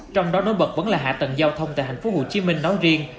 trong đó nối bật vẫn là hạ tầng giao thông tại thành phố hồ chí minh nói riêng